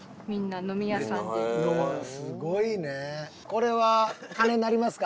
これは鐘鳴りますか？